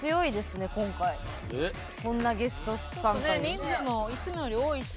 人数もいつもより多いし。